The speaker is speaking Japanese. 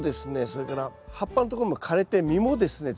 それから葉っぱのところも枯れて実もですね